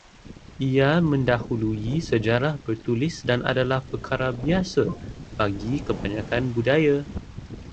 Ia mendahului sejarah bertulis dan adalah perkara biasa bagi kebanyakan budaya